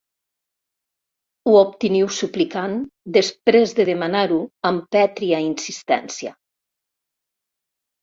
Ho obteniu suplicant, després de demanar-ho amb pètria insistència.